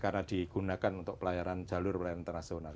karena digunakan untuk pelayaran jalur perairan internasional